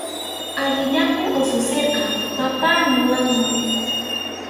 Allillanmi ususinqa “papá” niwanmi.